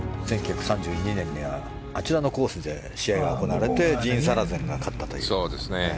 １９３２年にはあちらのコースで試合が行われてジーン・サラゼンが勝ったという。